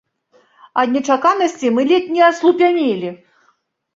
Ад нечаканасці мы ледзь не аслупянелі.